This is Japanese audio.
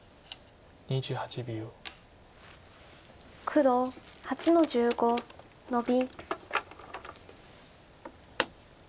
黒８の十五ノビ。